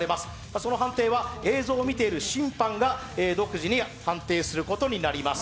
その判定は映像を見ている審判が独自に判定することになります。